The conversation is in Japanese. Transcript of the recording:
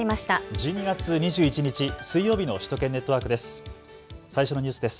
１２月２１日、水曜日の首都圏ネットワークです。